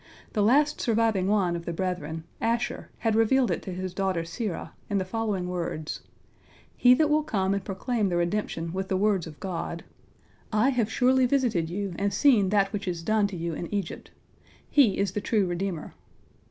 The last surviving one of the brethren, Asher, had revealed it to his daughter Serah, in the following words: "He that will come and proclaim the redemption with the words of God, 'I have surely visited you, and seen that which is done to you in Egypt,' he is the true redeemer."